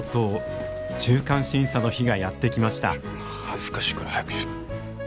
恥ずかしいから早くしろ。